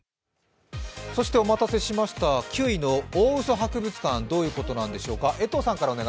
お待たせしました、９位の大嘘博物館、どういうことなんでしょうか？